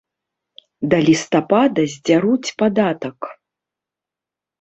Да лістапада здзяруць падатак.